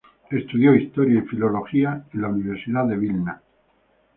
Estudió historia y filología en la Universidad de Vilna.